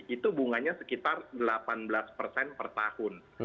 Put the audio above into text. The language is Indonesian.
itu bunganya sekitar delapan belas persen per tahun